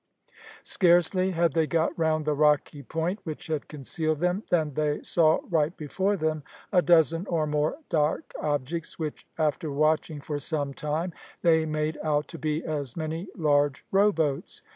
Scarcely had they got round the rocky point which had concealed them than they saw right before them a dozen or more dark objects, which, after watching for some time, they made out to be as many large row boats.